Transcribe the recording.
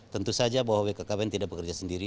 tentu saja bahwa bkkbn tidak bekerja sendiri